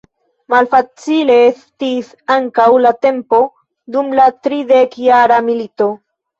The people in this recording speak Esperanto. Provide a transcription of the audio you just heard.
Malfacile estis ankaŭ la tempo dum la Tridekjara milito.